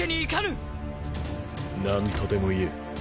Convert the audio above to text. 何とでも言え。